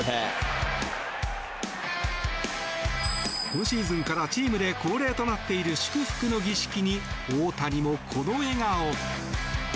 今シーズンからチームで恒例となっている祝福の儀式に、大谷もこの笑顔。